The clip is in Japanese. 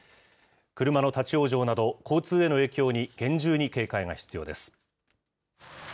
車の立往生など、交通への影響に厳重に警戒が必要です。